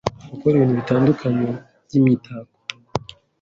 gukora ibintu bitandukanye by’imitako,